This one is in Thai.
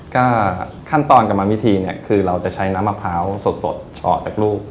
ก็ขั้นตอนกรรมวิธีเนี่ยคือเราจะใช้น้ำมะพร้าวสดออกจากลูก